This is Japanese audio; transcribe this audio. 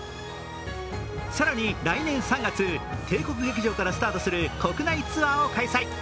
更に来年３月、帝国劇場からスタートする国内ツアーを開催。